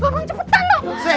bang cepetan loh